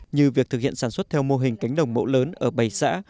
như việc thực hiện sản xuất theo mô hình cánh đồng mẫu lớn ở bảy xã